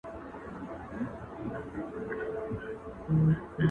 د خپل بابا پر مېنه چلوي د مرګ باړونه.!